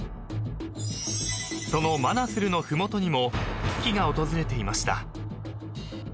［そのマナスルの麓にも危機が訪れていました］